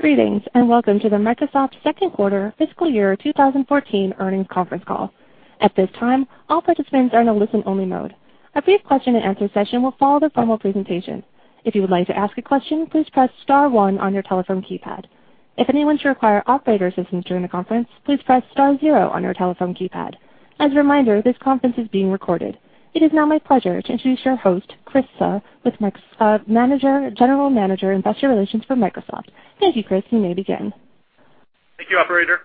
Greetings. Welcome to the Microsoft second quarter fiscal year 2014 earnings conference call. At this time, all participants are in a listen-only mode. A brief question-and-answer session will follow the formal presentation. If you would like to ask a question, please press star one on your telephone keypad. If anyone should require operator assistance during the conference, please press star zero on your telephone keypad. As a reminder, this conference is being recorded. It is now my pleasure to introduce your host, Chris Suh, General Manager, Investor Relations for Microsoft. Thank you, Chris. You may begin. Thank you operator.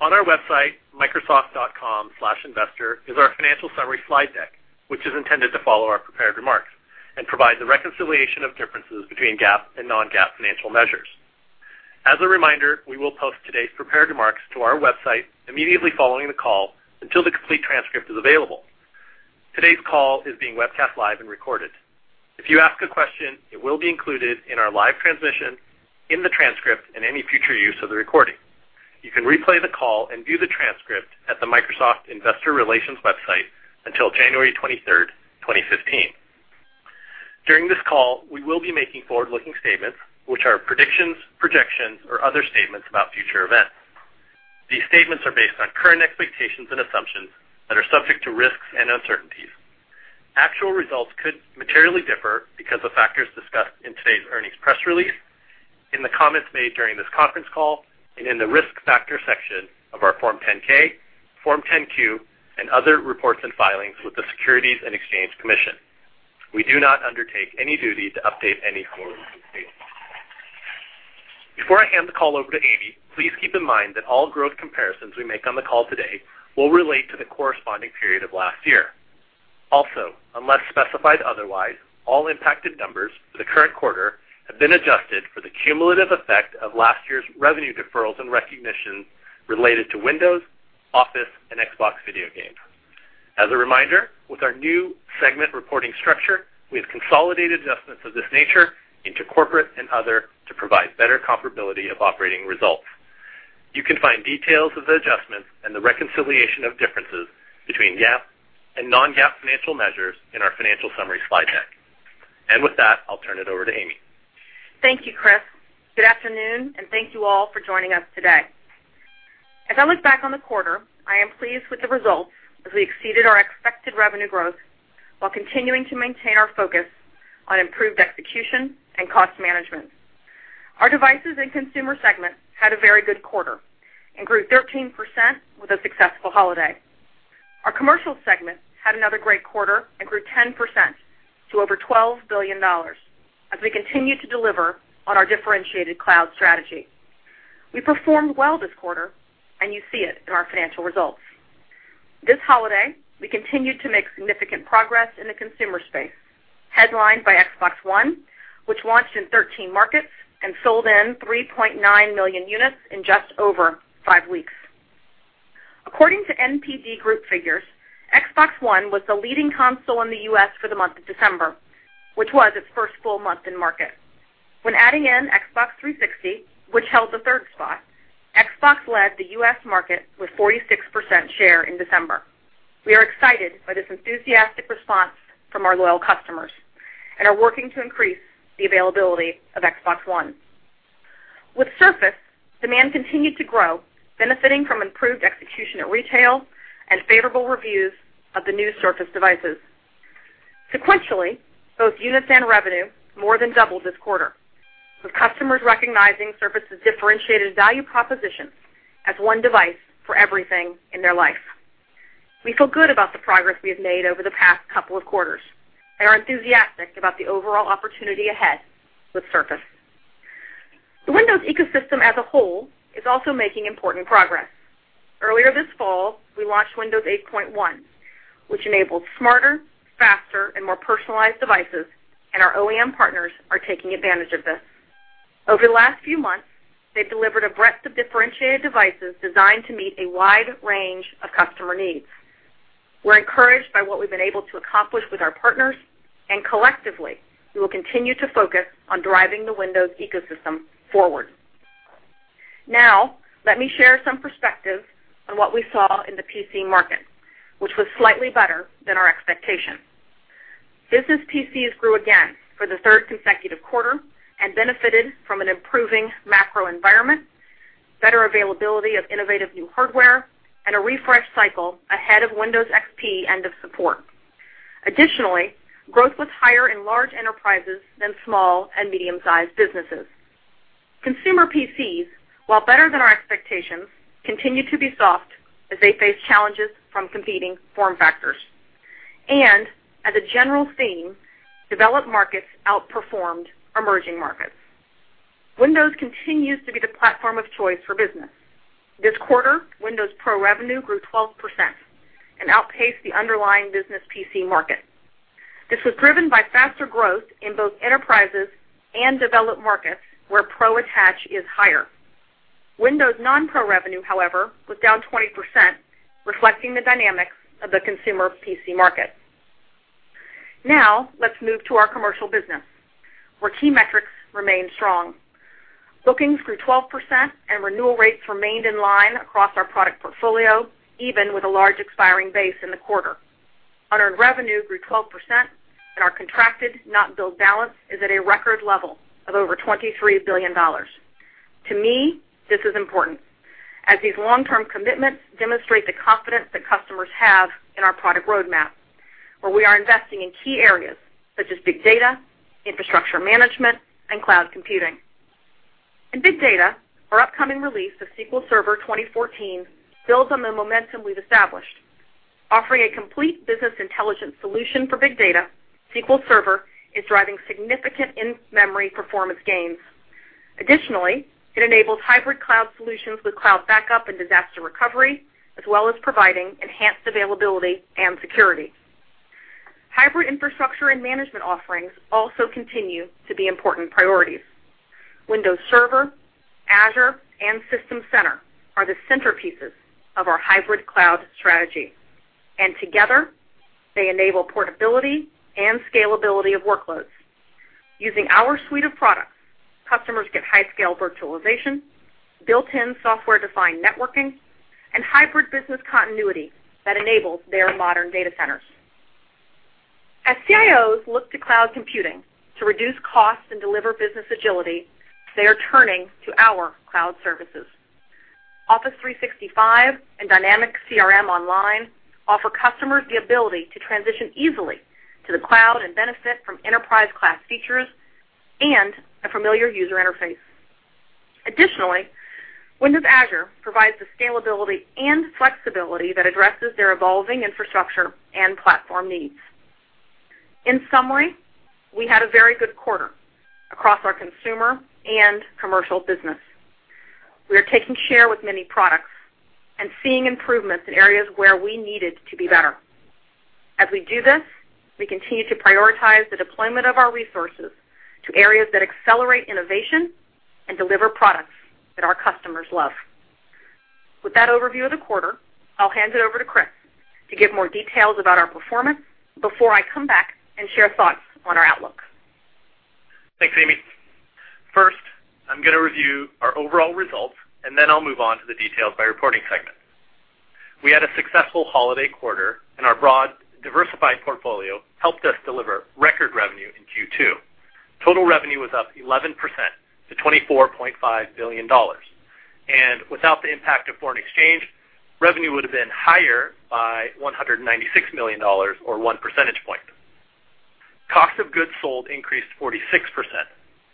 On our website, microsoft.com/investor is our financial summary slide deck, which is intended to follow our prepared remarks and provide the reconciliation of differences between GAAP and non-GAAP financial measures. As a reminder, we will post today's prepared remarks to our website immediately following the call until the complete transcript is available. Today's call is being webcast live and recorded. If you ask a question, it will be included in our live transmission, in the transcript and any future use of the recording. You can replay the call and view the transcript at the Microsoft Investor Relations website until January 23rd, 2015. During this call, we will be making forward-looking statements, which are predictions, projections, or other statements about future events. These statements are based on current expectations and assumptions that are subject to risks and uncertainties. Actual results could materially differ because of factors discussed in today's earnings press release, in the comments made during this conference call, and in the risk factor section of our Form 10-K, Form 10-Q, and other reports and filings with the Securities and Exchange Commission. We do not undertake any duty to update any forward-looking statements. Before I hand the call over to Amy, please keep in mind that all growth comparisons we make on the call today will relate to the corresponding period of last year. Also, unless specified otherwise, all impacted numbers for the current quarter have been adjusted for the cumulative effect of last year's revenue deferrals and recognitions related to Windows, Office, and Xbox video games. As a reminder, with our new segment reporting structure, we have consolidated adjustments of this nature into corporate and other to provide better comparability of operating results. You can find details of the adjustments and the reconciliation of differences between GAAP and non-GAAP financial measures in our financial summary slide deck. With that, I'll turn it over to Amy. Thank you, Chris. Good afternoon, and thank you all for joining us today. As I look back on the quarter, I am pleased with the results as we exceeded our expected revenue growth while continuing to maintain our focus on improved execution and cost management. Our devices and consumer segment had a very good quarter and grew 13% with a successful holiday. Our commercial segment had another great quarter and grew 10% to over $12 billion as we continue to deliver on our differentiated cloud strategy. We performed well this quarter, and you see it in our financial results. This holiday, we continued to make significant progress in the consumer space, headlined by Xbox One, which launched in 13 markets and sold in 3.9 million units in just over five weeks. According to NPD Group figures, Xbox One was the leading console in the U.S. for the month of December, which was its first full month in market. When adding in Xbox 360, which held the third spot, Xbox led the U.S. market with 46% share in December. We are excited by this enthusiastic response from our loyal customers and are working to increase the availability of Xbox One. With Surface, demand continued to grow, benefiting from improved execution at retail and favorable reviews of the new Surface devices. Sequentially, both units and revenue more than doubled this quarter, with customers recognizing Surface's differentiated value proposition as one device for everything in their life. We feel good about the progress we have made over the past couple of quarters and are enthusiastic about the overall opportunity ahead with Surface. The Windows ecosystem as a whole is also making important progress. Earlier this fall, we launched Windows 8.1, which enabled smarter, faster, and more personalized devices, and our OEM partners are taking advantage of this. Over the last few months, they've delivered a breadth of differentiated devices designed to meet a wide range of customer needs. We're encouraged by what we've been able to accomplish with our partners, and collectively, we will continue to focus on driving the Windows ecosystem forward. Now, let me share some perspective on what we saw in the PC market, which was slightly better than our expectation. Business PCs grew again for the third consecutive quarter and benefited from an improving macro environment, better availability of innovative new hardware, and a refresh cycle ahead of Windows XP end of support. Additionally, growth was higher in large enterprises than small and medium-sized businesses. Consumer PCs, while better than our expectations, continued to be soft as they face challenges from competing form factors. As a general theme, developed markets outperformed emerging markets. Windows continues to be the platform of choice for business. This quarter, Windows Pro revenue grew 12% and outpaced the underlying business PC market. This was driven by faster growth in both enterprises and developed markets, where pro attach is higher. Windows non-pro revenue, however, was down 20%, reflecting the dynamics of the consumer PC market. Let's move to our commercial business, where key metrics remained strong. Bookings grew 12% and renewal rates remained in line across our product portfolio, even with a large expiring base in the quarter. Our revenue grew 12%, and our contracted not billed balance is at a record level of over $23 billion. To me, this is important, as these long-term commitments demonstrate the confidence that customers have in our product roadmap, where we are investing in key areas such as big data, infrastructure management, and cloud computing. In big data, our upcoming release of SQL Server 2014 builds on the momentum we've established, offering a complete business intelligence solution for big data. SQL Server is driving significant in-memory performance gains. Additionally, it enables hybrid cloud solutions with cloud backup and disaster recovery, as well as providing enhanced availability and security. Hybrid infrastructure and management offerings also continue to be important priorities. Windows Server, Azure, and System Center are the centerpieces of our hybrid cloud strategy. Together, they enable portability and scalability of workloads. Using our suite of products, customers get high scale virtualization, built-in software-defined networking, and hybrid business continuity that enables their modern data centers. As CIOs look to cloud computing to reduce costs and deliver business agility, they are turning to our cloud services. Office 365 and Dynamics CRM Online offer customers the ability to transition easily to the cloud and benefit from enterprise-class features and a familiar user interface. Additionally, Windows Azure provides the scalability and flexibility that addresses their evolving infrastructure and platform needs. In summary, we had a very good quarter across our consumer and commercial business. We are taking share with many products and seeing improvements in areas where we needed to be better. As we do this, we continue to prioritize the deployment of our resources to areas that accelerate innovation and deliver products that our customers love. With that overview of the quarter, I'll hand it over to Chris to give more details about our performance before I come back and share thoughts on our outlook. Thanks, Amy. First, I'm going to review our overall results, then I'll move on to the details by reporting segment. We had a successful holiday quarter, and our broad, diversified portfolio helped us deliver record revenue in Q2. Total revenue was up 11% to $24.5 billion. Without the impact of foreign exchange, revenue would have been higher by $196 million or one percentage point. Cost of goods sold increased 46%.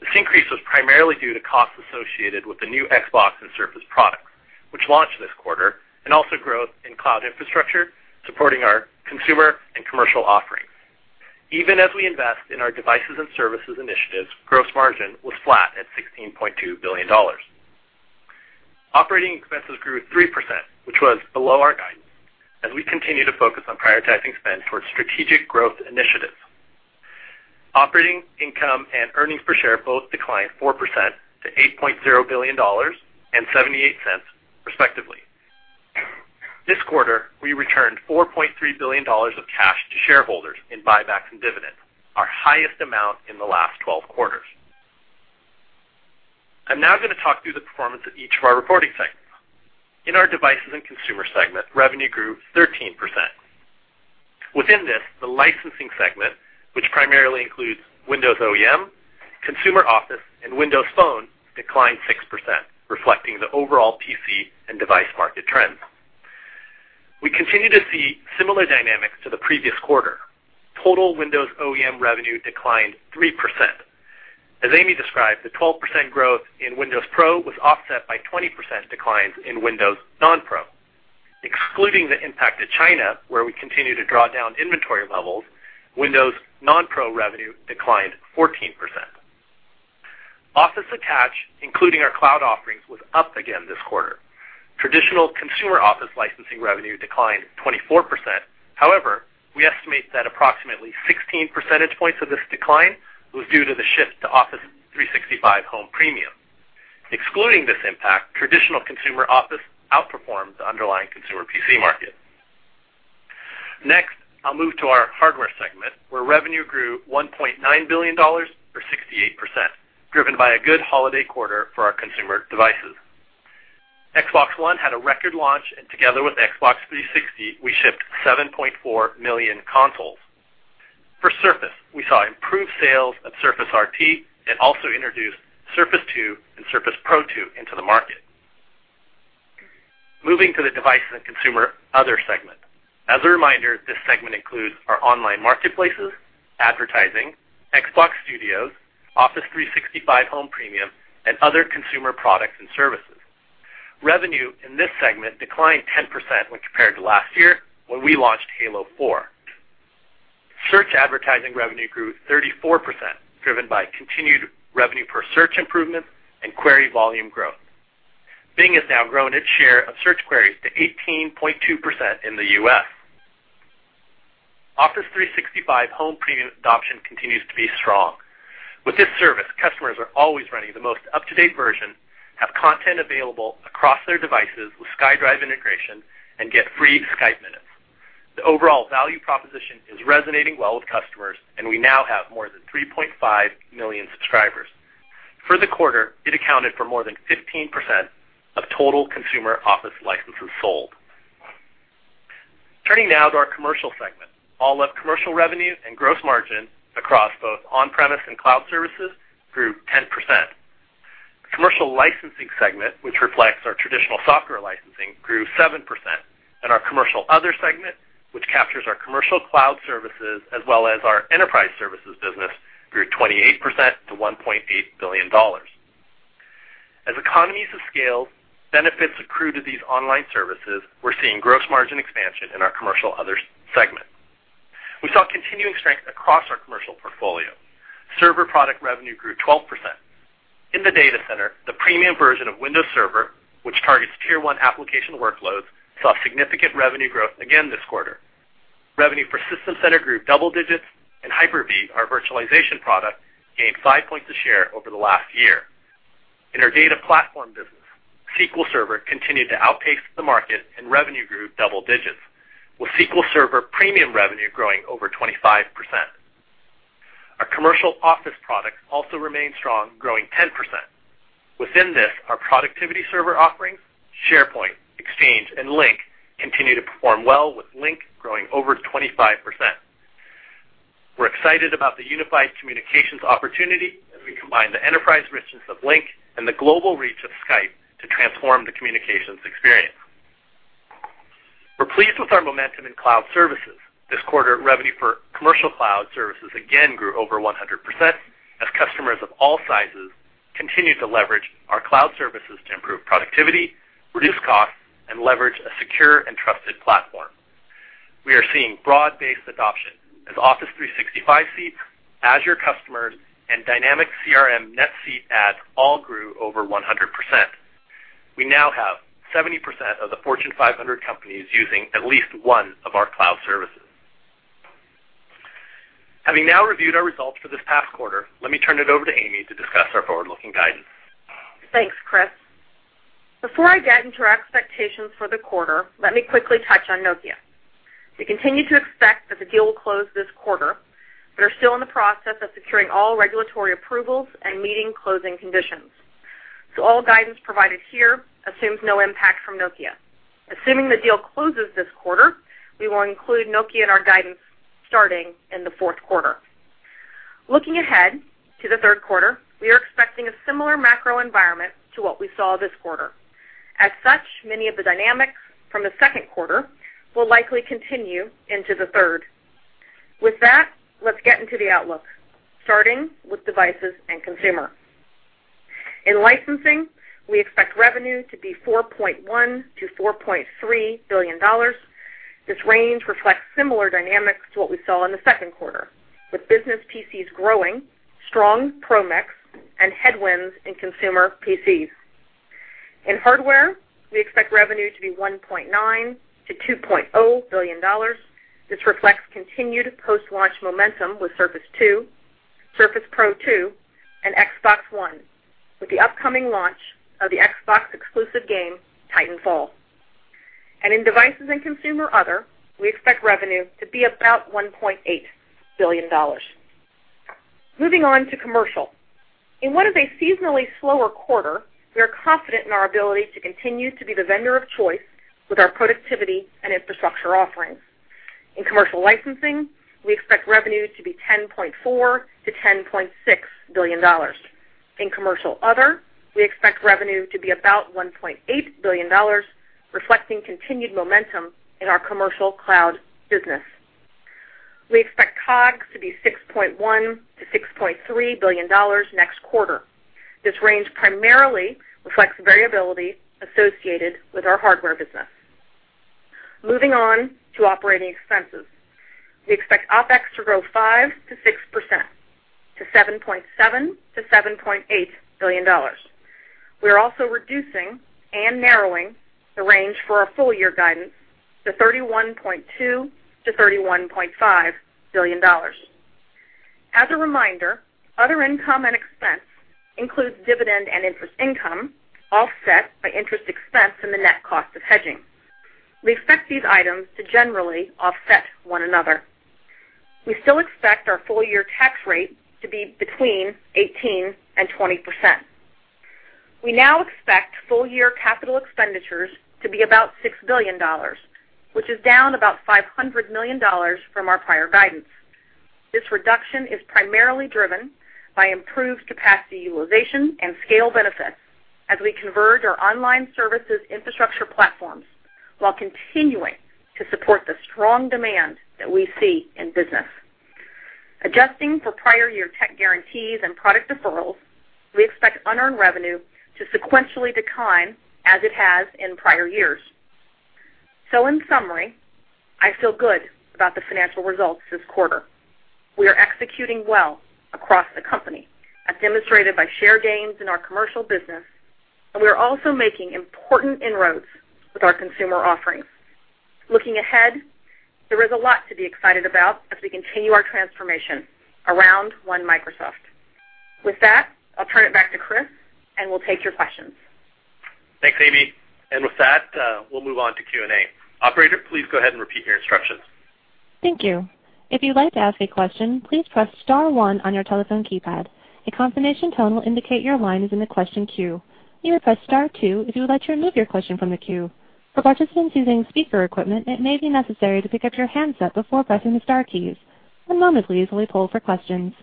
This increase was primarily due to costs associated with the new Xbox and Surface products, which launched this quarter, and also growth in cloud infrastructure supporting our consumer and commercial offerings. Even as we invest in our devices and services initiatives, gross margin was flat at $16.2 billion. Operating expenses grew 3%, which was below our guidance as we continue to focus on prioritizing spend towards strategic growth initiatives. Operating income and earnings per share both declined 4% to $8.0 billion and $0.78, respectively. This quarter, we returned $4.3 billion of cash to shareholders in buybacks and dividends, our highest amount in the last 12 quarters. I'm now going to talk through the performance of each of our reporting segments. In our devices and consumer segment, revenue grew 13%. Within this, the licensing segment, which primarily includes Windows OEM, Consumer Office, and Windows Phone, declined 6%, reflecting the overall PC and device market trends. We continue to see similar dynamics to the previous quarter. Total Windows OEM revenue declined 3%. As Amy described, the 12% growth in Windows Pro was offset by 20% declines in Windows non-Pro. Excluding the impact to China, where we continue to draw down inventory levels, Windows non-Pro revenue declined 14%. Office attach, including our cloud offerings, was up again this quarter. Traditional Consumer Office licensing revenue declined 24%. However, we estimate that approximately 16 percentage points of this decline was due to the shift to Office 365 Home Premium. Excluding this impact, traditional Consumer Office outperformed the underlying consumer PC market. Next, I'll move to our hardware segment, where revenue grew $1.9 billion or 68%, driven by a good holiday quarter for our consumer devices. Xbox One had a record launch, and together with Xbox 360, we shipped 7.4 million consoles. For Surface, we saw improved sales of Surface RT and also introduced Surface 2 and Surface Pro 2 into the market. Moving to the device and consumer other segment. As a reminder, this segment includes our online marketplaces, advertising, Xbox Studios, Office 365 Home Premium, and other consumer products and services. Revenue in this segment declined 10% when compared to last year when we launched Halo 4. Search advertising revenue grew 34%, driven by continued revenue per search improvements and query volume growth. Bing has now grown its share of search queries to 18.2% in the U.S. Office 365 Home Premium adoption continues to be strong. With this service, customers are always running the most up-to-date version, have content available across their devices with SkyDrive integration, and get free Skype minutes. The overall value proposition is resonating well with customers, and we now have more than 3.5 million subscribers. For the quarter, it accounted for more than 15% of total consumer Office licenses sold. Turning now to our commercial segment. All up commercial revenue and gross margin across both on-premise and cloud services grew 10%. Commercial licensing segment, which reflects our traditional software licensing, grew 7%. Our commercial other segment, which captures our commercial cloud services, as well as our enterprise services business, grew 28% to $1.8 billion. As economies of scale benefits accrue to these online services, we're seeing gross margin expansion in our commercial other segment. We saw continuing strength across our commercial portfolio. Server product revenue grew 12%. In the data center, the premium version of Windows Server, which targets tier 1 application workloads, saw significant revenue growth again this quarter. Revenue for System Center grew double digits and Hyper-V, our virtualization product, gained five points of share over the last year. In our data platform business, SQL Server continued to outpace the market and revenue grew double digits, with SQL Server premium revenue growing over 25%. Our commercial Office products also remained strong, growing 10%. Within this, our productivity server offerings, SharePoint, Exchange, and Lync, continue to perform well, with Lync growing over 25%. We're excited about the unified communications opportunity as we combine the enterprise richness of Lync and the global reach of Skype to transform the communications experience. We're pleased with our momentum in cloud services. This quarter, revenue for commercial cloud services again grew over 100% as customers of all sizes continued to leverage our cloud services to improve productivity, reduce costs, and leverage a secure and trusted platform. We are seeing broad-based adoption as Office 365 seats, Azure customers, and Dynamics CRM net seat adds all grew over 100%. We now have 70% of the Fortune 500 companies using at least one of our cloud services. Having now reviewed our results for this past quarter, let me turn it over to Amy to discuss our forward-looking guidance. Thanks, Chris. Before I get into our expectations for the quarter, let me quickly touch on Nokia. We continue to expect that the deal will close this quarter, but are still in the process of securing all regulatory approvals and meeting closing conditions. All guidance provided here assumes no impact from Nokia. Assuming the deal closes this quarter, we will include Nokia in our guidance starting in the fourth quarter. Looking ahead to the third quarter, we are expecting a similar macro environment to what we saw this quarter. As such, many of the dynamics from the second quarter will likely continue into the third. With that, let's get into the outlook, starting with devices and consumer. In licensing, we expect revenue to be $4.1 billion-$4.3 billion. This range reflects similar dynamics to what we saw in the second quarter, with business PCs growing, strong Pro mix, and headwinds in consumer PCs. In hardware, we expect revenue to be $1.9 billion-$2.0 billion. This reflects continued post-launch momentum with Surface 2, Surface Pro 2, and Xbox One, with the upcoming launch of the Xbox exclusive game, Titanfall. In devices and consumer other, we expect revenue to be about $1.8 billion. Moving on to commercial. In what is a seasonally slower quarter, we are confident in our ability to continue to be the vendor of choice with our productivity and infrastructure offerings. In commercial licensing, we expect revenue to be $10.4 billion-$10.6 billion. In commercial other, we expect revenue to be about $1.8 billion, reflecting continued momentum in our commercial cloud business. We expect COGS to be $6.1 billion-$6.3 billion next quarter. This range primarily reflects variability associated with our hardware business. Moving on to operating expenses. We expect OpEx to grow 5%-6%, to $7.7 billion-$7.8 billion. We are also reducing and narrowing the range for our full year guidance to $31.2 billion-$31.5 billion. As a reminder, other income and expense includes dividend and interest income, offset by interest expense and the net cost of hedging. We expect these items to generally offset one another. We still expect our full year tax rate to be between 18% and 20%. We now expect full year capital expenditures to be about $6 billion, which is down about $500 million from our prior guidance. This reduction is primarily driven by improved capacity utilization and scale benefits as we convert our online services infrastructure platforms while continuing to support the strong demand that we see in business. Adjusting for prior year tech guarantees and product deferrals, we expect unearned revenue to sequentially decline as it has in prior years. In summary, I feel good about the financial results this quarter. We are executing well across the company, as demonstrated by share gains in our commercial business, and we are also making important inroads with our consumer offerings. Looking ahead, there is a lot to be excited about as we continue our transformation around One Microsoft. With that, I'll turn it back to Chris. We'll take your questions. With that, we'll move on to Q&A. Operator, please go ahead and repeat your instructions. Thank you. If you'd like to ask a question, please press star one on your telephone keypad. A confirmation tone will indicate your line is in the question queue. You may press star two if you would like to remove your question from the queue. For participants using speaker equipment, it may be necessary to pick up your handset before pressing the star keys. Anonymously poll for questions.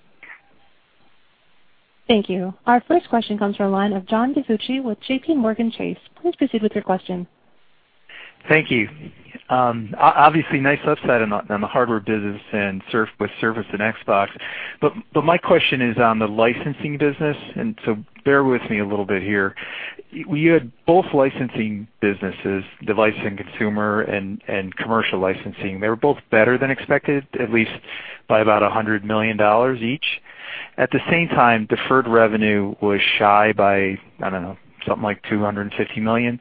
Thank you. Our first question comes from the line of John DiFucci with JPMorgan Chase. Please proceed with your question. Thank you. Obviously, nice upside on the hardware business with Surface and Xbox. My question is on the licensing business, bear with me a little bit here. You had both licensing businesses, Device and Consumer and Commercial Licensing. They were both better than expected, at least by about $100 million each. At the same time, deferred revenue was shy by, I don't know, something like $250 million.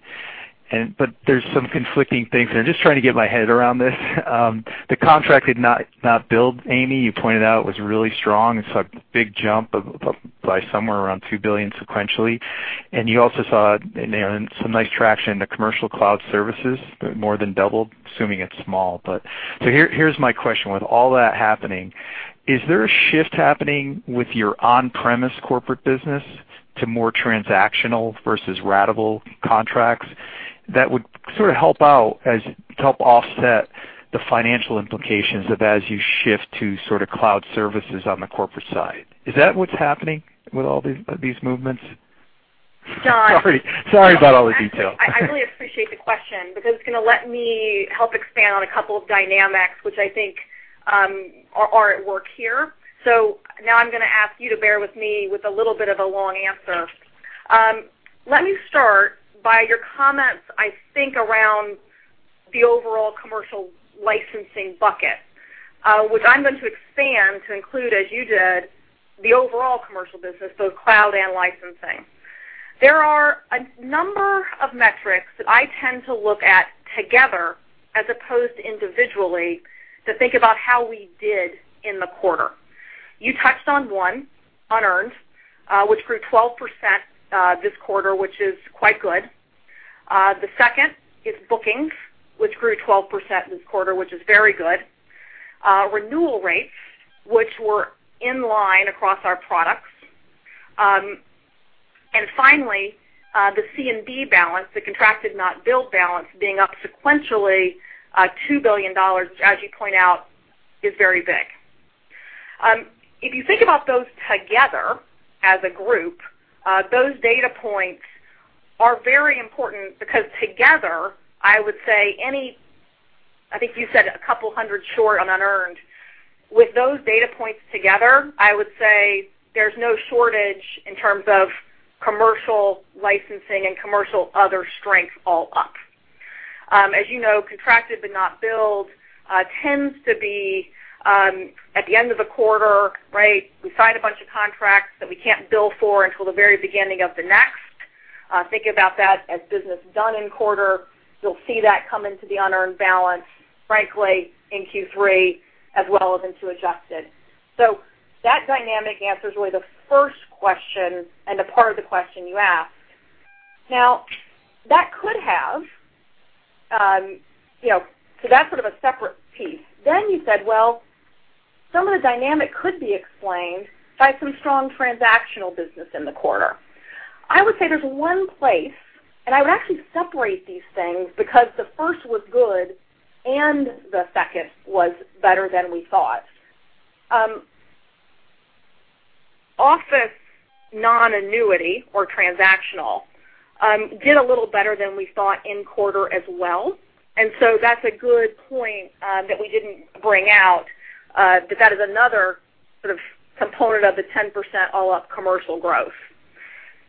There's some conflicting things there. Just trying to get my head around this. The contract not billed. Amy, you pointed out was really strong. It's a big jump by somewhere around $2 billion sequentially. You also saw some nice traction to commercial cloud services, more than doubled, assuming it's small. Here's my question. With all that happening, is there a shift happening with your on-premise corporate business to more transactional versus ratable contracts that would sort of help out as to help offset the financial implications of as you shift to sort of cloud services on the corporate side? Is that what's happening with all these movements? John- Sorry about all the detail. I really appreciate the question because it's going to let me help expand on a couple of dynamics which I think are at work here. Now I'm going to ask you to bear with me with a little bit of a long answer. Let me start by your comments, I think around the overall commercial licensing bucket, which I'm going to expand to include, as you did, the overall commercial business, both cloud and licensing. There are a number of metrics that I tend to look at together as opposed to individually to think about how we did in the quarter. You touched on one, unearned, which grew 12% this quarter, which is quite good. The second is bookings, which grew 12% this quarter, which is very good. Renewal rates, which were in line across our products. Finally, the C&B balance, the contracted not billed balance being up sequentially $2 billion, as you point out, is very big. If you think about those together as a group, those data points are very important because together, I would say any I think you said a couple hundred short on unearned. With those data points together, I would say there's no shortage in terms of commercial licensing and commercial other strengths all up. As you know, contracted not billed tends to be at the end of the quarter, right? We sign a bunch of contracts that we can't bill for until the very beginning of the next. Think about that as business done in quarter. You'll see that come into the unearned balance, frankly, in Q3 as well as into adjusted. That dynamic answers really the first question and a part of the question you asked. Now that's sort of a separate piece. You said, "Well, some of the dynamic could be explained by some strong transactional business in the quarter." I would say there's one place, and I would actually separate these things because the first was good and the second was better than we thought. Office non-annuity or transactional did a little better than we thought in quarter as well. That's a good point that we didn't bring out. That is another sort of component of the 10% all up commercial growth.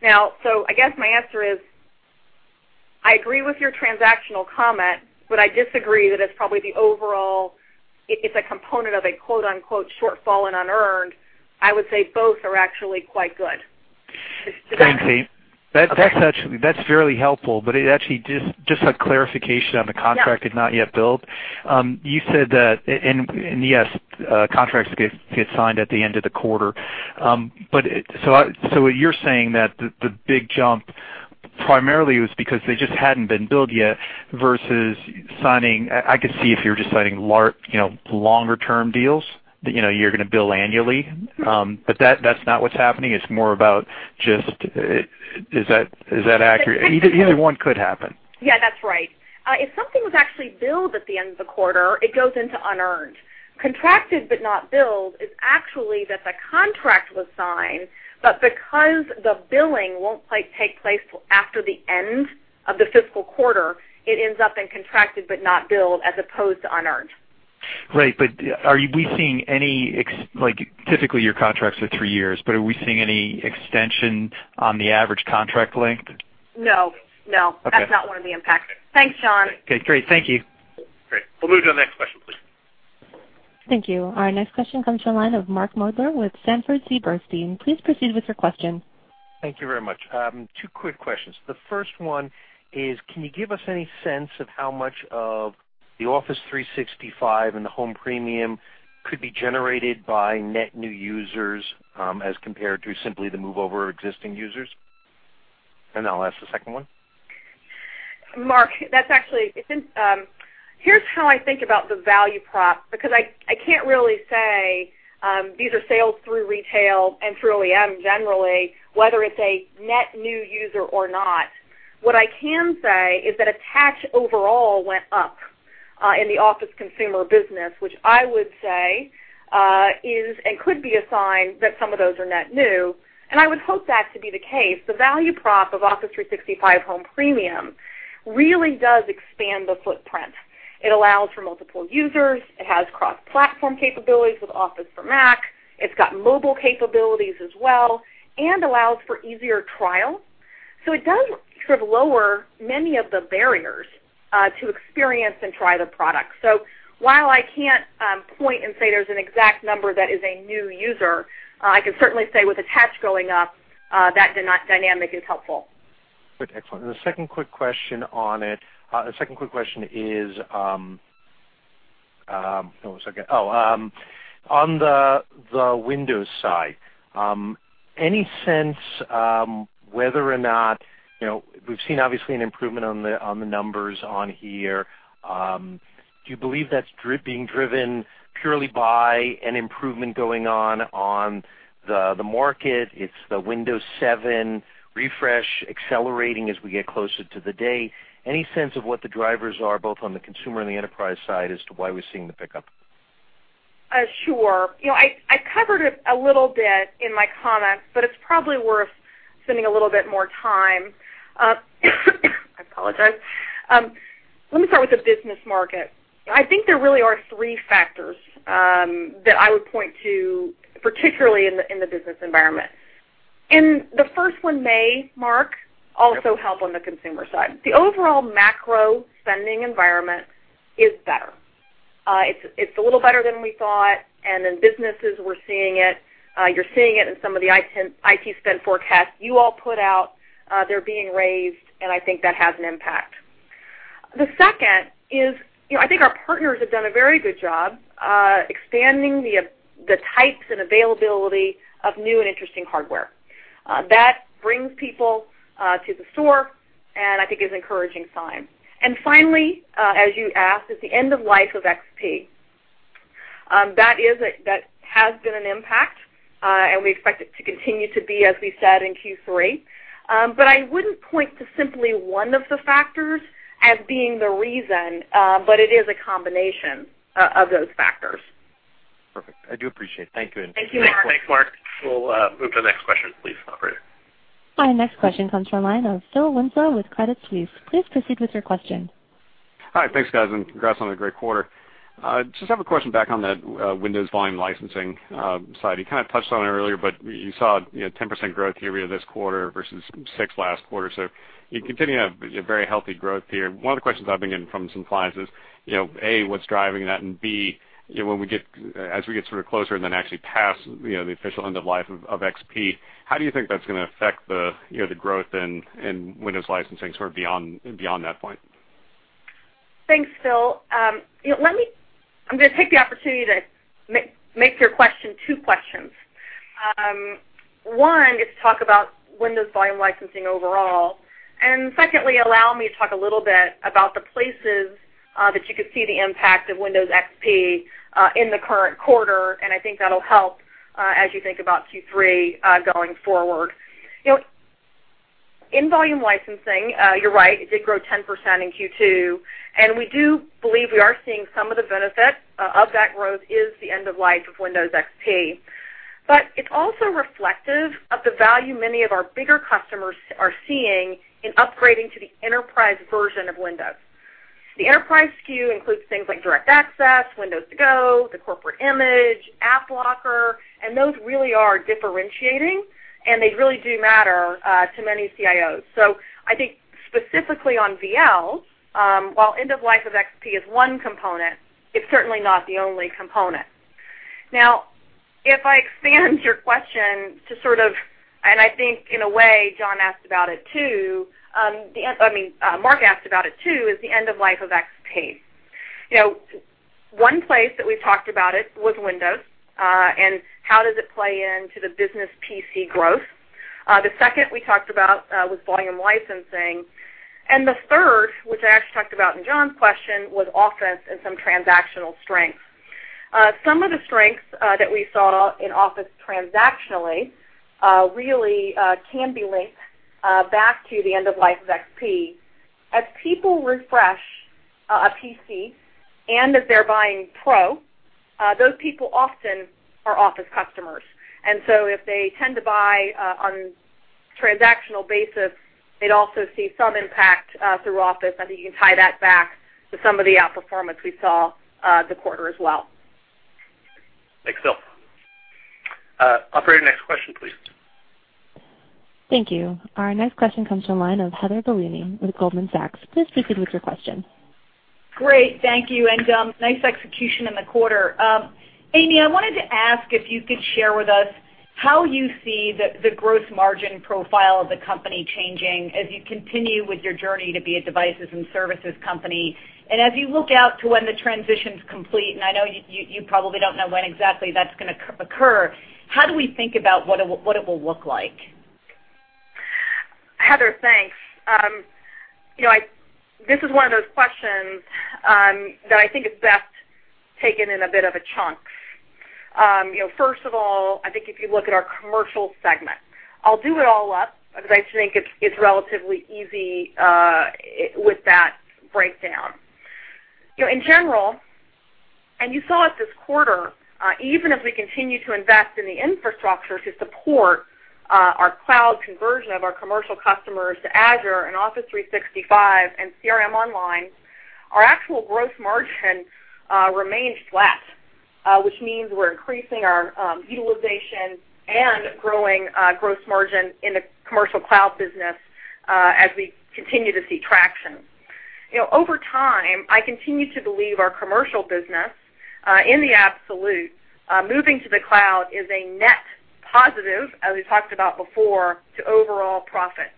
I guess my answer is, I agree with your transactional comment, I disagree that it's probably the overall, it's a component of a "shortfall in unearned." I would say both are actually quite good. Thanks, Amy. Okay. That's fairly helpful, but actually just a clarification on the contract. Yeah is not yet billed. You said that, and yes, contracts get signed at the end of the quarter. What you're saying that the big jump primarily was because they just hadn't been billed yet versus signing, I could see if you're just signing longer-term deals that you're going to bill annually. That's not what's happening. It's more about just. Is that accurate? Either one could happen. Yeah, that's right. If something was actually billed at the end of the quarter, it goes into unearned. Contracted but not billed is actually that the contract was signed, but because the billing won't take place till after the end of the fiscal quarter, it ends up in Contracted but not billed as opposed to unearned. Are we seeing any typically your contracts are three years, but are we seeing any extension on the average contract length? No. Okay. That's not one of the impacts. Thanks, John. Okay, great. Thank you. Great. We'll move to the next question, please. Thank you. Our next question comes from the line of Mark Moerdler with Sanford C. Bernstein. Please proceed with your question. Thank you very much. Two quick questions. The first one is, can you give us any sense of how much The Office 365 and the Home Premium could be generated by net new users as compared to simply the move over existing users? I'll ask the second one. Mark, here's how I think about the value prop, because I can't really say these are sales through retail and through OEM, generally, whether it's a net new user or not. What I can say is that attach overall went up in the Office consumer business, which I would say is and could be a sign that some of those are net new. I would hope that to be the case. The value prop of Office 365 Home Premium really does expand the footprint. It allows for multiple users. It has cross-platform capabilities with Office for Mac. It's got mobile capabilities as well and allows for easier trial. It does sort of lower many of the barriers to experience and try the product. While I can't point and say there's an exact number that is a new user, I can certainly say with attach going up, that dynamic is helpful. Good. Excellent. The second quick question is on the Windows side. Any sense We've seen, obviously, an improvement on the numbers on here. Do you believe that's being driven purely by an improvement going on the market? It's the Windows 7 refresh accelerating as we get closer to the date. Any sense of what the drivers are, both on the consumer and the enterprise side as to why we're seeing the pickup? Sure. I covered it a little bit in my comments, but it's probably worth spending a little bit more time. I apologize. Let me start with the business market. I think there really are three factors that I would point to, particularly in the business environment. The first one may, Mark, also help on the consumer side. The overall macro spending environment is better. It's a little better than we thought, and in businesses, we're seeing it. You're seeing it in some of the IT spend forecasts you all put out. They're being raised, and I think that has an impact. The second is, I think our partners have done a very good job expanding the types and availability of new and interesting hardware. That brings people to the store and I think is an encouraging sign. Finally, as you asked, is the end of life of XP. That has been an impact, and we expect it to continue to be, as we said, in Q3. I wouldn't point to simply one of the factors as being the reason, but it is a combination of those factors. Perfect. I do appreciate it. Thank you. Thank you, Mark. Thanks, Mark. We'll move to the next question, please, operator. Our next question comes from the line of Phil Winslow with Credit Suisse. Please proceed with your question. Hi, thanks, guys, congrats on a great quarter. Just have a question back on that Windows volume licensing side. You kind of touched on it earlier, you saw 10% growth year-over-year this quarter versus six last quarter. You're continuing to have very healthy growth here. One of the questions I've been getting from some clients is, A, what's driving that? B, as we get sort of closer and then actually past the official end of life of XP, how do you think that's going to affect the growth in Windows licensing sort of beyond that point? Thanks, Phil. I'm going to take the opportunity to make your question two questions. One is to talk about Windows volume licensing overall, and secondly, allow me to talk a little bit about the places that you could see the impact of Windows XP in the current quarter, and I think that'll help as you think about Q3 going forward. In volume licensing, you're right, it did grow 10% in Q2, and we do believe we are seeing some of the benefit of that growth is the end of life of Windows XP. It's also reflective of the value many of our bigger customers are seeing in upgrading to the Enterprise version of Windows. The Enterprise SKU includes things like DirectAccess, Windows To Go, the Corporate Image, AppLocker, and those really are differentiating, and they really do matter to many CIOs. I think specifically on VL, while end of life of XP is one component, it's certainly not the only component. If I expand your question to and I think in a way, John asked about it, too, I mean, Mark asked about it, too, is the end of life of XP. One place that we talked about it was Windows, and how does it play into the business PC growth? The second we talked about was volume licensing. The third, which I actually talked about in John's question, was Office and some transactional strength. Some of the strengths that we saw in Office transactionally really can be linked back to the end of life of XP. As people refresh a PC and as they're buying Pro, those people often are Office customers. If they tend to buy on a transactional basis, they'd also see some impact through Office. I think you can tie that back to some of the outperformance we saw the quarter as well. Thanks, Phil. Operator, next question, please. Thank you. Our next question comes from the line of Heather Bellini with Goldman Sachs. Please proceed with your question. Great. Thank you. Nice execution in the quarter. Amy, I wanted to ask if you could share with us how you see the gross margin profile of the company changing as you continue with your journey to be a devices and services company? As you look out to when the transition's complete, and I know you probably don't know when exactly that's going to occur, how do we think about what it will look like? Heather, thanks. This is one of those questions that I think is best taken in a bit of a chunk. First of all, I think if you look at our commercial segment, I'll do it all up because I think it's relatively easy with that breakdown. In general, and you saw it this quarter, even as we continue to invest in the infrastructure to support our cloud conversion of our commercial customers to Azure and Office 365 and CRM Online, our actual gross margin remains flat, which means we're increasing our utilization and growing gross margin in the commercial cloud business as we continue to see traction. Over time, I continue to believe our commercial business, in the absolute, moving to the cloud is a net positive, as we talked about before, to overall profit,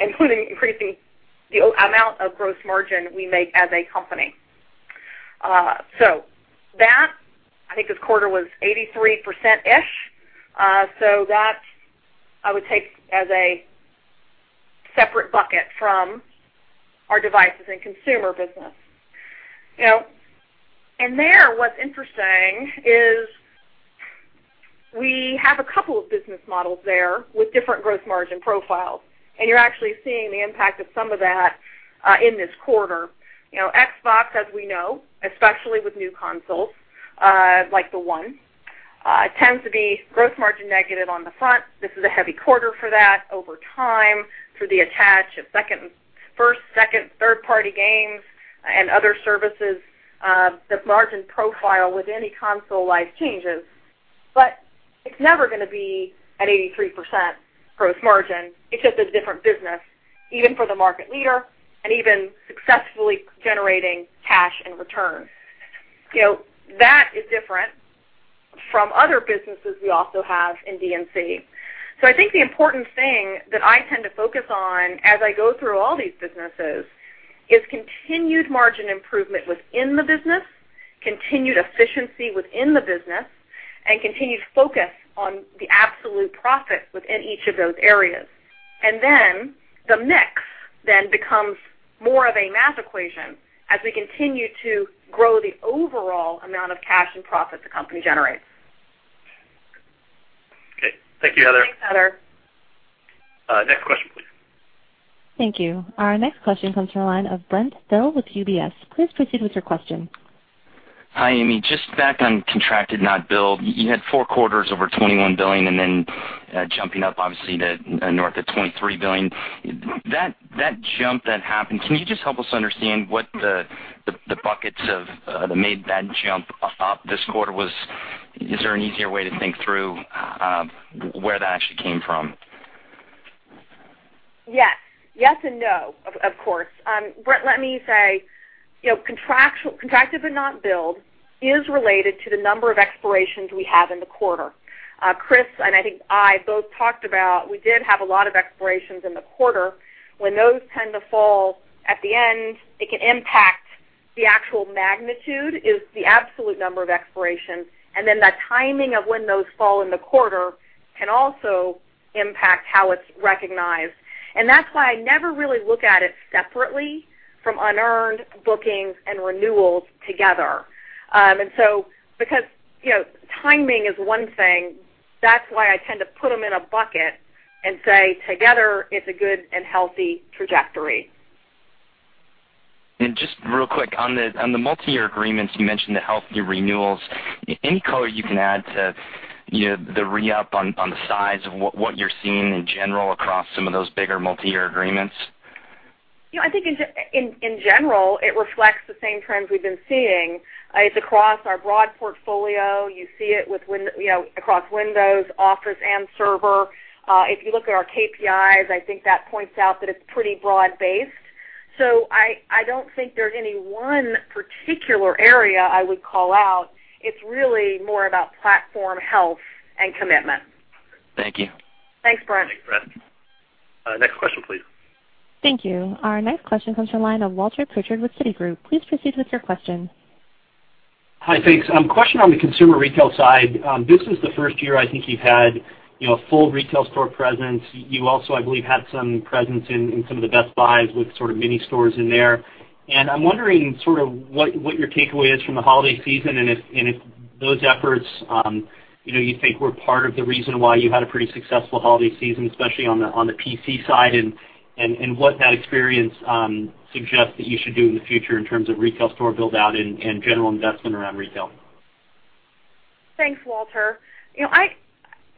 including increasing the amount of gross margin we make as a company. I think this quarter was 83%-ish. That I would take as a separate bucket from our devices and consumer business. There, what's interesting is we have a couple of business models there with different gross margin profiles, and you're actually seeing the impact of some of that in this quarter. Xbox, as we know, especially with new consoles, like the One, tends to be gross margin negative on the front. This is a heavy quarter for that. Over time, through the attach of first, second, third-party games and other services, the margin profile with any console life changes. It's never going to be at 83% gross margin. It's just a different business, even for the market leader and even successfully generating cash and returns. That is different from other businesses we also have in D&C. I think the important thing that I tend to focus on as I go through all these businesses is continued margin improvement within the business, continued efficiency within the business, and continued focus on the absolute profit within each of those areas. The mix then becomes more of a math equation as we continue to grow the overall amount of cash and profit the company generates. Thank you, Heather. Thanks, Heather. Next question, please. Thank you. Our next question comes from the line of Brent Thill with UBS. Please proceed with your question. Hi, Amy. Just back on contracted not billed. You had four quarters over $21 billion and then jumping up obviously to north of $23 billion. That jump that happened, can you just help us understand what the buckets that made that jump up this quarter was? Is there an easier way to think through where that actually came from? Yes. Yes, no, of course. Brent, let me say, contracted but not billed is related to the number of expirations we have in the quarter. Chris and I think I both talked about we did have a lot of expirations in the quarter. When those tend to fall at the end, it can impact the actual magnitude is the absolute number of expirations, and then the timing of when those fall in the quarter can also impact how it's recognized. That's why I never really look at it separately from unearned bookings and renewals together. Timing is one thing, that's why I tend to put them in a bucket and say together it's a good and healthy trajectory. Just real quick, on the multi-year agreements, you mentioned the healthy renewals. Any color you can add to the re-up on the size of what you're seeing in general across some of those bigger multi-year agreements? I think in general, it reflects the same trends we've been seeing. It's across our broad portfolio. You see it across Windows, Office, and Server. If you look at our KPIs, I think that points out that it's pretty broad-based. I don't think there's any one particular area I would call out. It's really more about platform health and commitment. Thank you. Thanks, Brent. Thanks, Brent. Next question, please. Thank you. Our next question comes from the line of Walter Pritchard with Citigroup. Please proceed with your question. Hi, thanks. Question on the consumer retail side. This is the first year I think you've had a full retail store presence. You also, I believe, had some presence in some of the Best Buy with sort of mini stores in there. I'm wondering sort of what your takeaway is from the holiday season and if those efforts you think were part of the reason why you had a pretty successful holiday season, especially on the PC side and what that experience suggests that you should do in the future in terms of retail store build-out and general investment around retail. Thanks, Walter.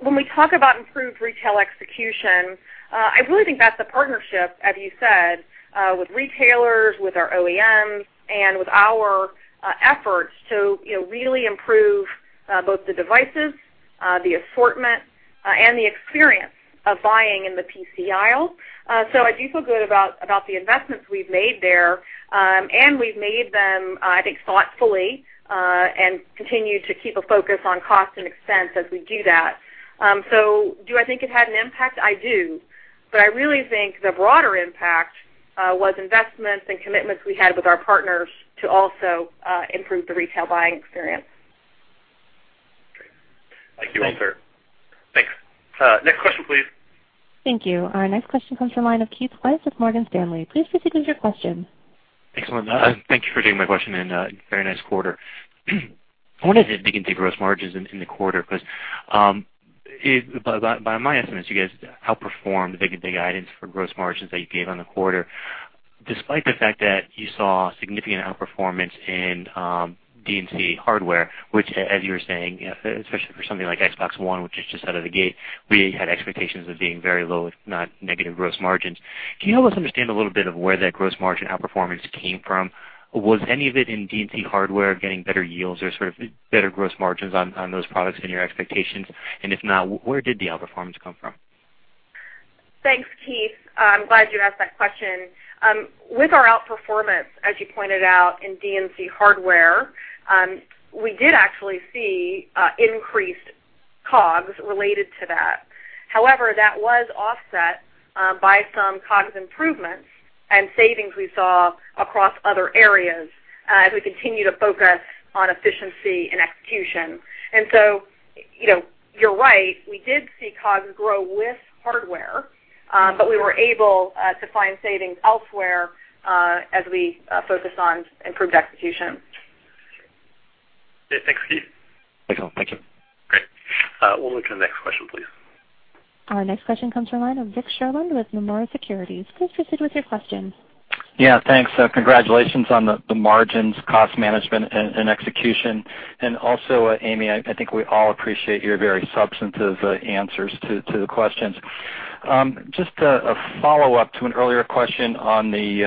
When we talk about improved retail execution, I really think that's the partnership, as you said, with retailers, with our OEMs, and with our efforts to really improve Both the devices, the assortment, and the experience of buying in the PC aisle. Do I think it had an impact? I do. I really think the broader impact was investments and commitments we had with our partners to also improve the retail buying experience. Great. Thank you. Thanks, sir. Thanks. Next question, please. Thank you. Our next question comes from the line of Keith Weiss with Morgan Stanley. Please proceed with your question. Thanks, Melinda. Thank you for taking my question. Very nice quarter. I wanted to dig into gross margins in the quarter because, by my estimates, you guys outperformed the guidance for gross margins that you gave on the quarter, despite the fact that you saw significant outperformance in D&C hardware, which, as you were saying, especially for something like Xbox One, which is just out of the gate, we had expectations of being very low, if not negative gross margins. Can you help us understand a little bit of where that gross margin outperformance came from? Was any of it in D&C hardware getting better yields or sort of better gross margins on those products than your expectations? If not, where did the outperformance come from? Thanks, Keith. I'm glad you asked that question. With our outperformance, as you pointed out, in D&C hardware, we did actually see increased COGS related to that. However, that was offset by some COGS improvements and savings we saw across other areas as we continue to focus on efficiency and execution. You're right, we did see COGS grow with hardware, but we were able to find savings elsewhere as we focus on improved execution. Yeah, thanks, Keith. Thanks, all. Thank you. Great. We'll move to the next question, please. Our next question comes from the line of Rick Sherlund with Nomura Securities. Please proceed with your question. Thanks. Congratulations on the margins, cost management, and execution. Also, Amy, I think we all appreciate your very substantive answers to the questions. Just a follow-up to an earlier question on the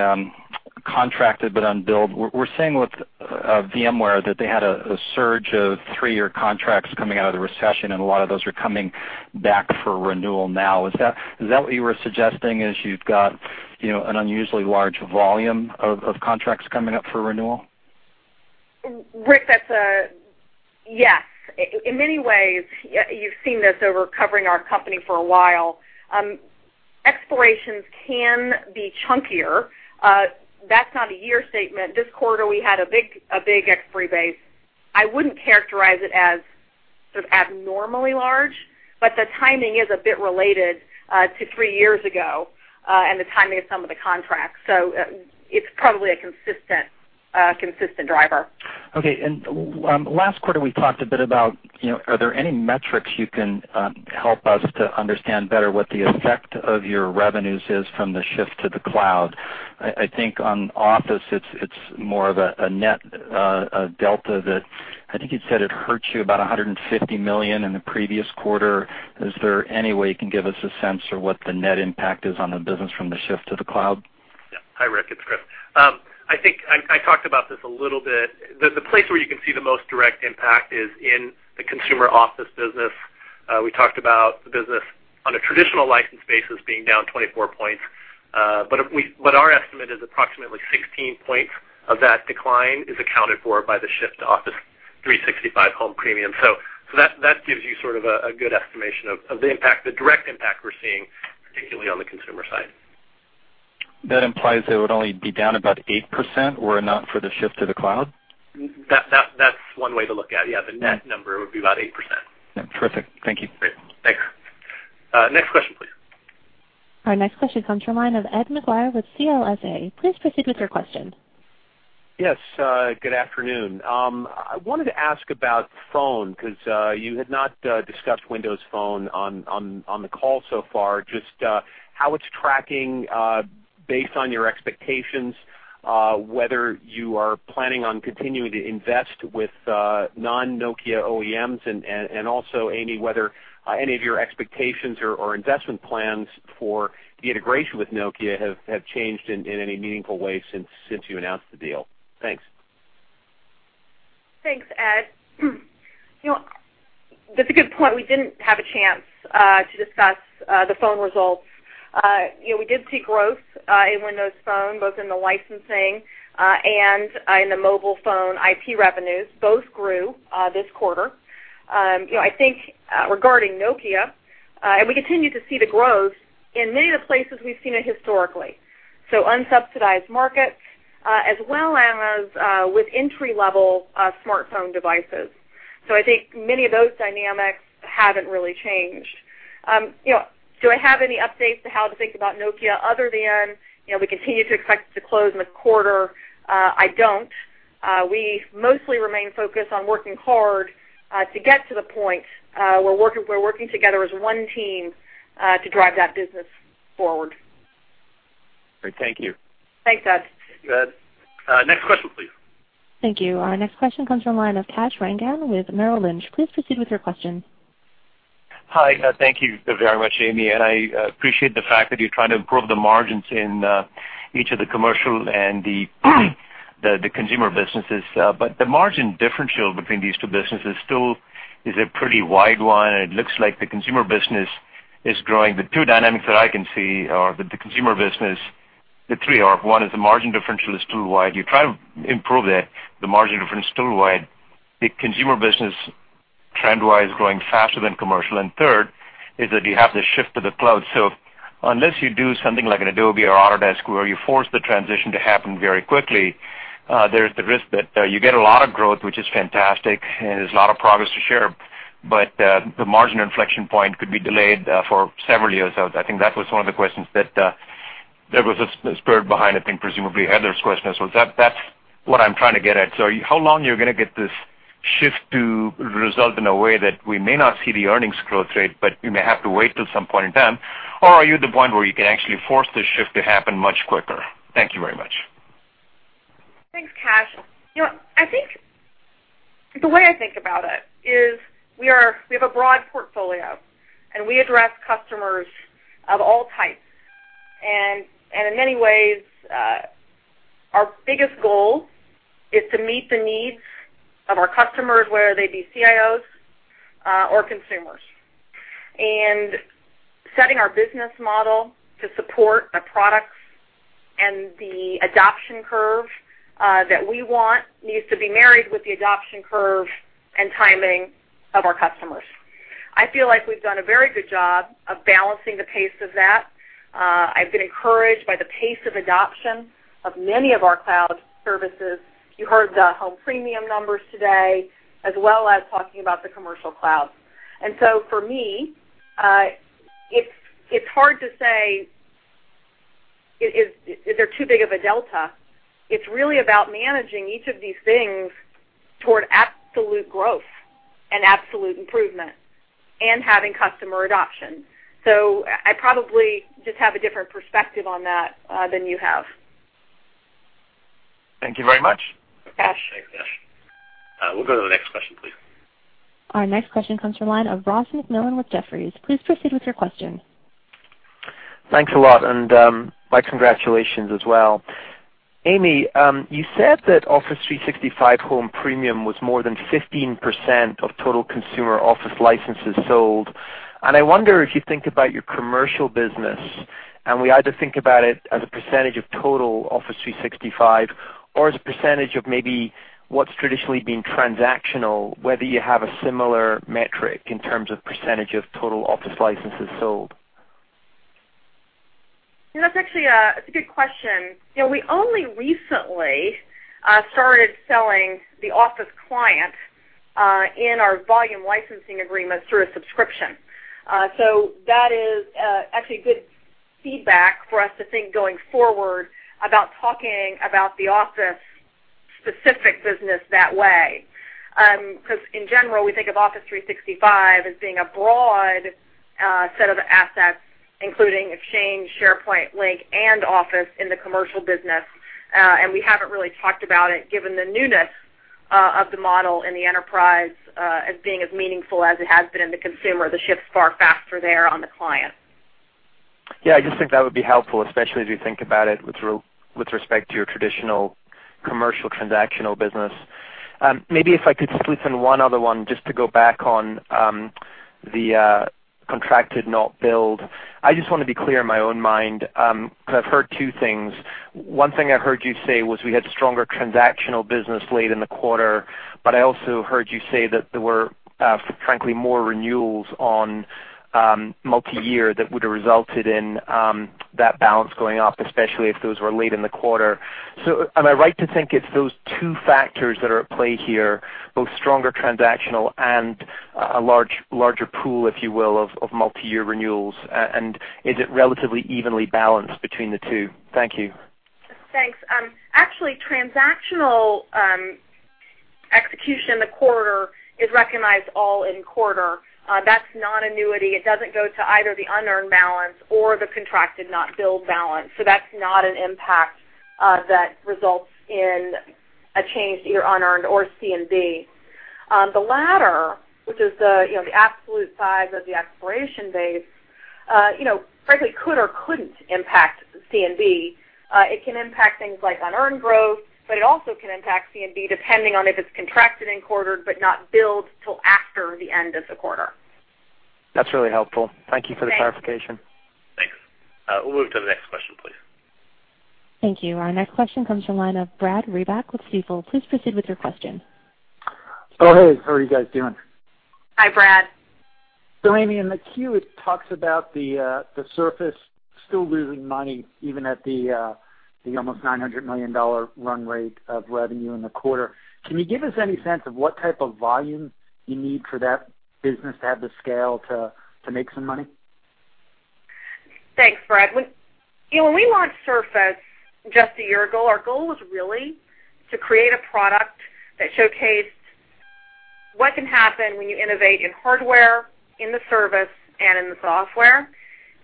contracted not billed. We're seeing with VMware that they had a surge of 3-year contracts coming out of the recession, and a lot of those are coming back for renewal now. Is that what you were suggesting, is you've got an unusually large volume of contracts coming up for renewal? Rick, yes. In many ways, you've seen this over covering our company for a while. Expirations can be chunkier. That's not a year statement. This quarter, we had a big expiry base. I wouldn't characterize it as sort of abnormally large, but the timing is a bit related to 3 years ago and the timing of some of the contracts. It's probably a consistent driver. Okay. Last quarter, we talked a bit about, are there any metrics you can help us to understand better what the effect of your revenues is from the shift to the cloud? I think on Office, it's more of a net delta that I think you'd said it hurt you about $150 million in the previous quarter. Is there any way you can give us a sense for what the net impact is on the business from the shift to the cloud? Hi, Rick, it's Chris. I think I talked about this a little bit. The place where you can see the most direct impact is in the consumer Office business. We talked about the business on a traditional license basis being down 24 points. But our estimate is approximately 16 points of that decline is accounted for by the shift to Office 365 Home Premium. That gives you sort of a good estimation of the impact, the direct impact we're seeing, particularly on the consumer side. That implies it would only be down about 8% were it not for the shift to the cloud? That's one way to look at it, yeah. The net number would be about 8%. Yeah. Terrific. Thank you. Great. Thanks. Next question, please. Our next question comes from the line of Ed McGuire with CLSA. Please proceed with your question. Yes, good afternoon. I wanted to ask about Windows Phone because you had not discussed Windows Phone on the call so far, just how it's tracking based on your expectations, whether you are planning on continuing to invest with non-Nokia OEMs, and also, Amy, whether any of your expectations or investment plans for the integration with Nokia have changed in any meaningful way since you announced the deal. Thanks. Thanks, Ed. That's a good point. We didn't have a chance to discuss the phone results. We did see growth in Windows Phone, both in the licensing and in the mobile phone IP revenues. Both grew this quarter. I think regarding Nokia, and we continue to see the growth in many of the places we've seen it historically. Unsubsidized markets as well as with entry-level smartphone devices. I think many of those dynamics haven't really changed. Do I have any updates to how to think about Nokia other than we continue to expect it to close in the quarter? I don't. We mostly remain focused on working hard to get to the point where we're working together as one team to drive that business forward. Great. Thank you. Thanks, Ed. Thanks, Ed. Next question, please. Thank you. Our next question comes from the line of Kash Rangan with Merrill Lynch. Please proceed with your question. Hi. Thank you very much, Amy. I appreciate the fact that you're trying to improve the margins in each of the commercial and the consumer businesses. The margin differential between these two businesses still is a pretty wide one, and it looks like the consumer business is growing. The two dynamics that I can see are that the consumer business, the three are, one is the margin differential is too wide. You try to improve it, the margin difference is too wide. The consumer business, trend-wise, is growing faster than commercial. Third, is that you have to shift to the cloud. Unless you do something like an Adobe or Autodesk where you force the transition to happen very quickly, there's the risk that you get a lot of growth, which is fantastic, and there's a lot of progress to share, but the margin inflection point could be delayed for several years. I think that was one of the questions that there was a spirit behind, I think presumably Heather's question as well. That's what I'm trying to get at. How long are you going to get this shift to result in a way that we may not see the earnings growth rate, but we may have to wait till some point in time? Are you at the point where you can actually force this shift to happen much quicker? Thank you very much. Thanks, Kash. The way I think about it is we have a broad portfolio, we address customers of all types. In many ways, our biggest goal is to meet the needs of our customers, whether they be CIOs or consumers. Setting our business model to support our products and the adoption curve that we want needs to be married with the adoption curve and timing of our customers. I feel like we've done a very good job of balancing the pace of that. I've been encouraged by the pace of adoption of many of our cloud services. You heard the Home Premium numbers today, as well as talking about the commercial cloud. For me, it's hard to say, is there too big of a delta? It's really about managing each of these things toward absolute growth and absolute improvement and having customer adoption. I probably just have a different perspective on that than you have. Thank you very much. Okay. Thanks, Kash. We'll go to the next question, please. Our next question comes from the line of Ross MacMillan with Jefferies. Please proceed with your question. Thanks a lot, and my congratulations as well. Amy, you said that Office 365 Home Premium was more than 15% of total consumer Office licenses sold. I wonder if you think about your commercial business, and we either think about it as a percentage of total Office 365 or as a percentage of maybe what's traditionally been transactional, whether you have a similar metric in terms of percentage of total Office licenses sold. That's a good question. We only recently started selling the Office client in our volume licensing agreements through a subscription. That is actually good feedback for us to think going forward about talking about the Office-specific business that way. In general, we think of Office 365 as being a broad set of assets, including Exchange, SharePoint, Lync, and Office in the commercial business. We haven't really talked about it, given the newness of the model in the enterprise as being as meaningful as it has been in the consumer. The shift's far faster there on the client. Yeah, I just think that would be helpful, especially as we think about it with respect to your traditional commercial transactional business. Maybe if I could slip in one other one, just to go back on the contracted not billed. I just want to be clear in my own mind, because I've heard two things. One thing I heard you say was we had stronger transactional business late in the quarter, but I also heard you say that there were, frankly, more renewals on multi-year that would have resulted in that balance going up, especially if those were late in the quarter. Am I right to think it's those two factors that are at play here, both stronger transactional and a larger pool, if you will, of multi-year renewals? And is it relatively evenly balanced between the two? Thank you. Thanks. Actually, transactional execution in the quarter is recognized all in quarter. That's not annuity. It doesn't go to either the unearned balance or the contracted not billed balance. That's not an impact that results in a change to your unearned or C&B. The latter, which is the absolute size of the expiration base, frankly, could or couldn't impact C&B. It can impact things like unearned growth, but it also can impact C&B depending on if it's contracted and quartered, but not billed till after the end of the quarter. That's really helpful. Thank you for the clarification. Thanks. Thanks. We'll move to the next question, please. Thank you. Our next question comes from the line of Brad Reback with Stifel. Please proceed with your question. Oh, hey, how are you guys doing? Hi, Brad. Amy, in the Form 10-Q, it talks about the Surface still losing money, even at the almost $900 million run rate of revenue in the quarter. Can you give us any sense of what type of volume you need for that business to have the scale to make some money? Thanks, Brad. When we launched Surface just a year ago, our goal was really to create a product that showcased what can happen when you innovate in hardware, in the service, and in the software.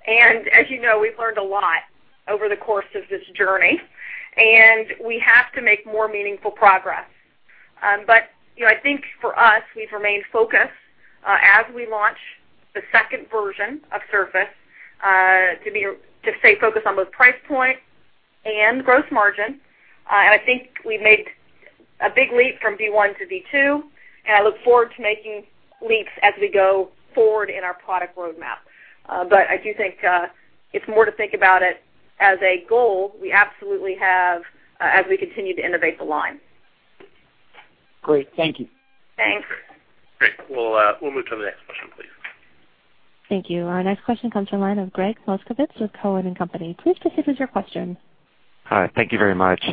As you know, we've learned a lot over the course of this journey, and we have to make more meaningful progress. I think for us, we've remained focused as we launch the second version of Surface to stay focused on both price point and gross margin. I think we've made a big leap from V1 to V2, and I look forward to making leaps as we go forward in our product roadmap. I do think it's more to think about it as a goal we absolutely have as we continue to innovate the line. Great. Thank you. Thanks. Great. We'll move to the next question, please. Thank you. Our next question comes from the line of Gregg Moskowitz with Cowen and Company. Please proceed with your question. Hi. Thank you very much.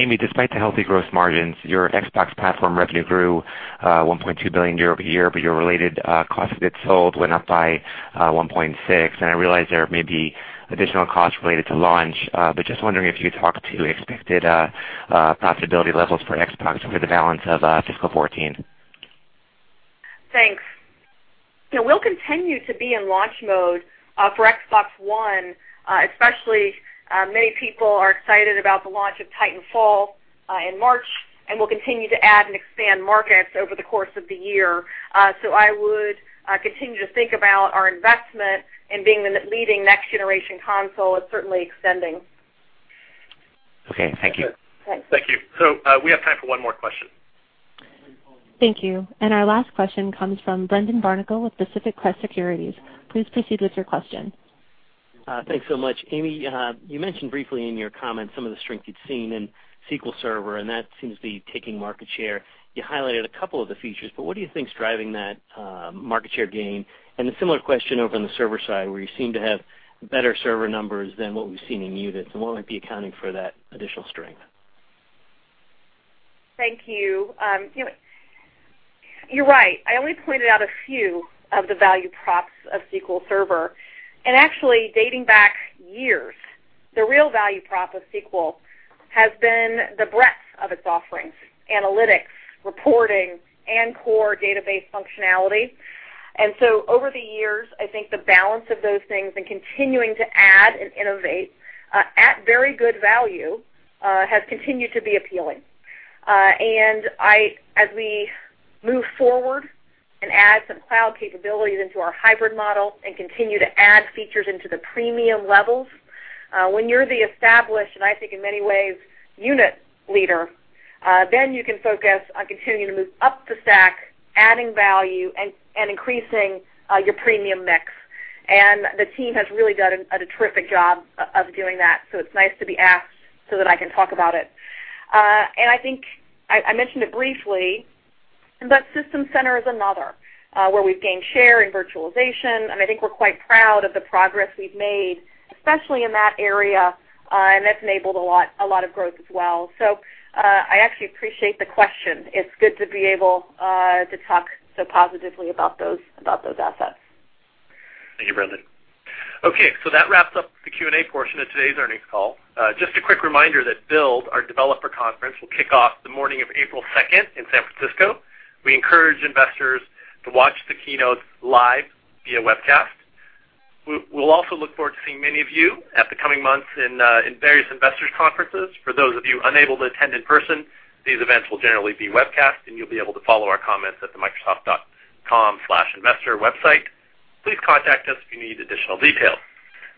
Amy, despite the healthy gross margins, your Xbox platform revenue grew $1.2 billion year-over-year, your related cost of goods sold went up by $1.6 billion. I realize there may be additional costs related to launch, just wondering if you could talk to expected profitability levels for Xbox over the balance of fiscal 2014. Thanks. We'll continue to be in launch mode for Xbox One, especially many people are excited about the launch of Titanfall in March, and we'll continue to add and expand markets over the course of the year. I would continue to think about our investment in being the leading next-generation console as certainly extending. Okay, thank you. Thanks. Thank you. We have time for one more question. Thank you. Our last question comes from Brendan Barnicle with Pacific Crest Securities. Please proceed with your question. Thanks so much. Amy, you mentioned briefly in your comments some of the strength you've seen in SQL Server, that seems to be taking market share. You highlighted a couple of the features, what do you think is driving that market share gain? A similar question over on the server side, where you seem to have better server numbers than what we've seen in units and what might be accounting for that additional strength. Thank you. You're right. I only pointed out a few of the value props of SQL Server. Actually, dating back years, the real value prop of SQL has been the breadth of its offerings, analytics, reporting, and core database functionality. Over the years, I think the balance of those things and continuing to add and innovate at very good value has continued to be appealing. As we move forward and add some cloud capabilities into our hybrid model and continue to add features into the premium levels, when you're the established, and I think in many ways, unit leader, then you can focus on continuing to move up the stack, adding value, and increasing your premium mix. The team has really done a terrific job of doing that. It's nice to be asked so that I can talk about it. I think I mentioned it briefly, System Center is another where we've gained share in virtualization, and I think we're quite proud of the progress we've made, especially in that area, and that's enabled a lot of growth as well. I actually appreciate the question. It's good to be able to talk so positively about those assets. Thank you, Brendan. Okay, that wraps up the Q&A portion of today's earnings call. Just a quick reminder that Build, our developer conference, will kick off the morning of April second in San Francisco. We encourage investors to watch the keynote live via webcast. We'll also look forward to seeing many of you at the coming months in various investors conferences. For those of you unable to attend in person, these events will generally be webcast, and you'll be able to follow our comments at the microsoft.com/investor website. Please contact us if you need additional details.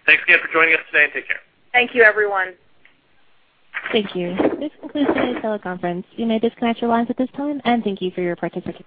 Thanks again for joining us today and take care. Thank you, everyone. Thank you. This concludes today's teleconference. You may disconnect your lines at this time, and thank you for your participation.